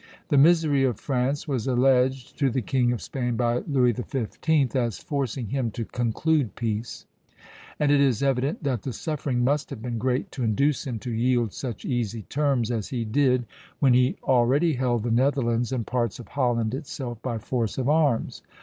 The misery of France was alleged to the King of Spain by Louis XV., as forcing him to conclude peace; and it is evident that the suffering must have been great to induce him to yield such easy terms as he did, when he already held the Netherlands and parts of Holland itself by force of arms.